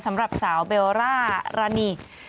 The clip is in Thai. สำหรับสาวเบลล่ารานี